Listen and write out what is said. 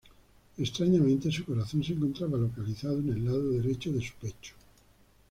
Extrañamente, su corazón se encontraba localizado en el lado derecho de su pecho.